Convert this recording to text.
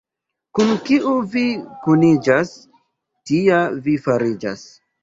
Kun kiu vi kuniĝas, tia vi fariĝas.